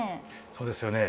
そうですよね。